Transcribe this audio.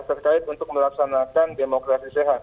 terkait untuk melaksanakan demokrasi sehat